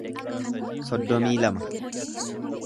soddomii lama